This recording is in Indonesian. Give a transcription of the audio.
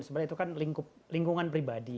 sebenarnya itu kan lingkungan pribadi